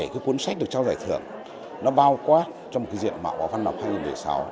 bảy cuốn sách được trao giải thưởng nó bao quá trong cái diện mạo vào văn học hai nghìn một mươi sáu